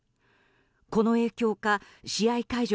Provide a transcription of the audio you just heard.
この影響か試合会場